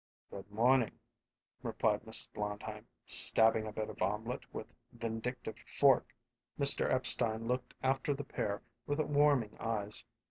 "Good morning," replied Mrs. Blondheim, stabbing a bit of omelet with vindictive fork. Mrs. Epstein looked after the pair with warming eyes.